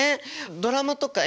ドラマとか